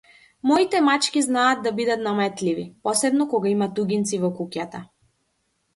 Моите мачки знаат да бидат наметливи, посебно кога има туѓинци во куќата.